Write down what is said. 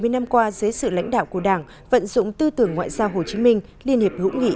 bảy mươi năm qua dưới sự lãnh đạo của đảng vận dụng tư tưởng ngoại giao hồ chí minh liên hiệp hữu nghị